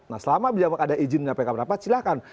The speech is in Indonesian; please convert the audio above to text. nah selama ada izin penyampaikan pendapat silakan